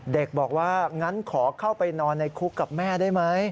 เด็กบอกว่างั้นขอเข้าไปนอนในคุกกับแม่ได้ไหม